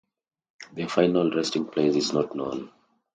Their final resting place is not known.